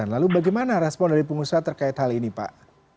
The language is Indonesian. lalu bagaimana respon dari pengusaha terkait hal ini pak